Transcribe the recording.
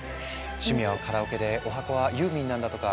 趣味はカラオケでおはこはユーミンなんだとか。